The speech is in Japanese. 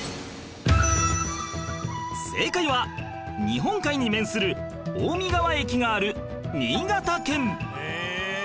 正解は日本海に面する青海川駅がある新潟県